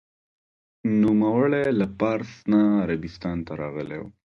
نوموړی له پارس نه عربستان ته راغلی و.